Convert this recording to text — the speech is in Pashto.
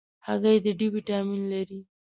هګۍ د D ویټامین لري.